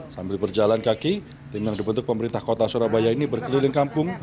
sambil berjalan kaki tim yang dibentuk pemerintah kota surabaya ini berkeliling kampung